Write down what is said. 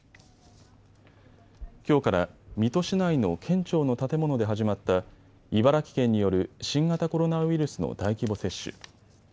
きょうから水戸市内の県庁の建物で始まった茨城県による新型コロナウイルスの大規模接種。